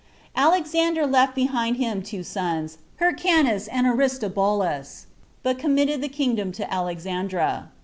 Alexander left behind him two sons, Hyrcanus and Aristobulus, but committed the kingdom to Alexandra.